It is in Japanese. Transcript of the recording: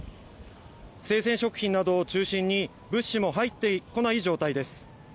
生鮮食品などを中心に物資も入ってこない状態です。